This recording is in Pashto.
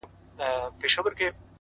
o اوس مي تعويذ له ډېره خروښه چاودي،